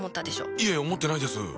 いや思ってないですって。